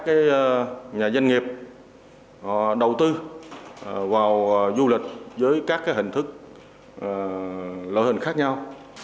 các nhà doanh nghiệp đầu tư vào du lịch với các hình thức loại hình khác nhau